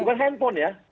bukan handphone ya